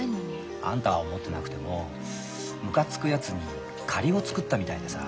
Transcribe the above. あんたは思ってなくてもムカつくやつに借りを作ったみたいでさ